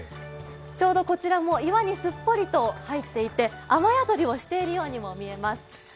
ちょうどこちらも岩にすっぽりと入っていて雨宿りをしているようにも見えます。